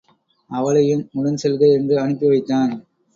அவளையும் உடன் செல்க என்று அனுப்பி வைத்தான்.